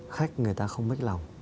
khách người ta không mất lòng